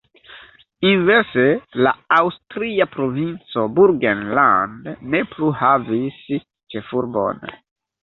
Inverse la aŭstria provinco Burgenland ne plu havis ĉefurbon.